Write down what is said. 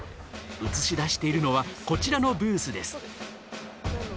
映し出しているのはこちらのブースです。